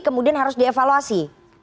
kemudian harus dievaluasi